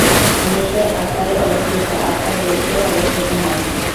দেশ আত্মায় অবস্থিত, আত্মা দেশে অবস্থিত নয়।